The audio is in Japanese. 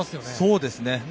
そうですね。